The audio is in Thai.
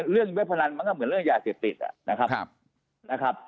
เว็บพนันมันก็เหมือนเรื่องยาเสพติดนะครับ